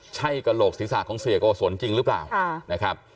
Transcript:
ใช่กระโหลกศีรษะของเสียโกศลจริงหรือเปล่านะครับ